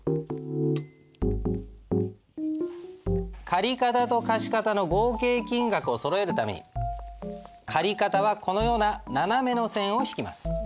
借方と貸方の合計金額をそろえるために借方はこのような斜めの線を引きます。